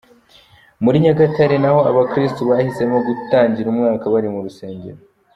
Muri Nyagatare naho abakristu bahisemo gutangira umwaka bari mu rusengero.